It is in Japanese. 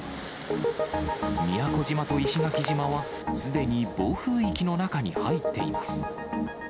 宮古島と石垣島は、すでに暴風域の中に入っています。